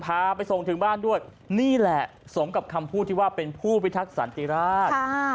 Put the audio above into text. พาไปส่งถึงบ้านด้วยนี่แหละสมกับคำพูดที่ว่าเป็นผู้พิทักษันติราช